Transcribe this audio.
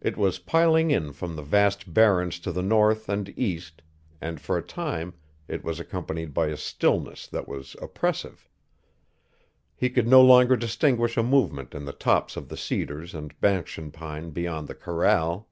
It was piling in from the vast Barrens to the north and east and for a time it was accompanied by a stillness that was oppressive. He could no longer distinguish a movement in the tops of the cedars and banskian pine beyond the corral.